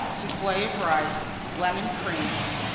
Soufflé of Rice. Lemon Cream.